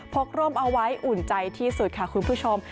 กร่มเอาไว้อุ่นใจที่สุดค่ะคุณผู้ชม